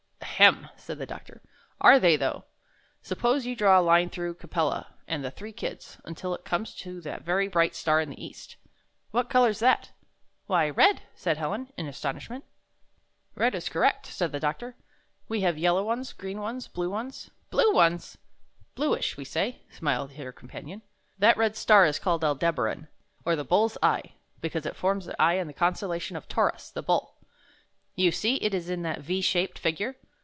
"Ahem!" said the doctor, "are they, though? Suppose you draw a line through Capella and the three Kids until it comes to that very bright star in the east. What color's that?" "Why, redr said Helen, in astonishment. 10 I found this on 11 "Red is correct/' said the doctor. ''We have yellow ones, green ones, blue ones —" "Blue ones!" "Bluish, we say," smiled her companion. "That red star is called Al deb' a ran, or the Bull's Eye, because it forms the eye in the constellation of Tau' rus, the Bull. You see it is in that V shaped figui'e?